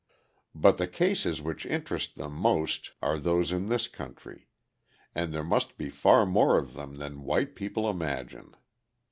But the cases which interest them most are those in this country; and there must be far more of them than white people imagine.